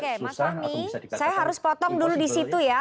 oke mas fahmi saya harus potong dulu di situ ya